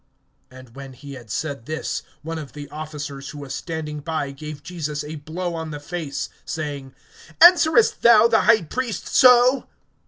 (22)And when he had said this, one of the officers who was standing by gave Jesus a blow on the face, saying: Answerest thou the high priest so?